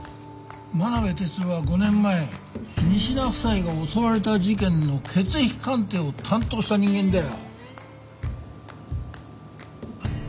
真鍋哲郎は５年前仁科夫妻が襲われた事件の血液鑑定を担当した人間だよ。